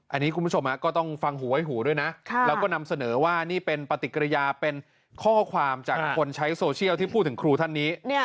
อันนี้คุณผู้ชมก็ต้องฟังหูไว้หูด้วยนะแล้วก็นำเสนอว่านี่เป็นปฏิกิริยาเป็นข้อความจากคนใช้โซเชียลที่พูดถึงครูท่านนี้